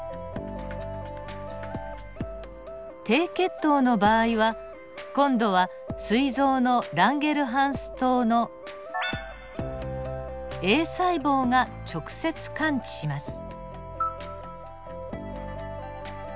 低血糖の場合は今度はすい臓のランゲルハンス島のＡ細胞が直接感知します。